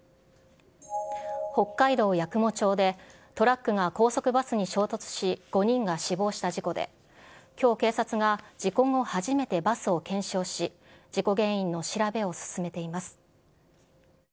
北海道八雲町で、トラックが高速バスに衝突し、５人が死亡した事故で、きょう警察が、事故後初めてバスを検証し、事故原因の調べを進めています。